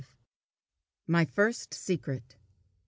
MY FIRST SECRET.